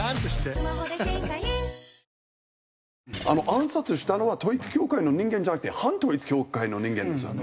暗殺したのは統一教会の人間じゃなくて反統一教会の人間です。